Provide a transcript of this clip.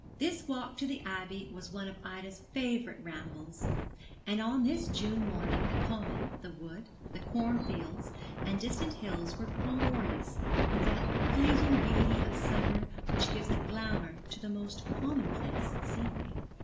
This walk to the Abbey was one of Ida's favourite rambles, and on this June morning the common, the wood, the corn fields, and distant hills were glorious with that fleeting beauty of summer which gives a glamour to the most commonplace scenery.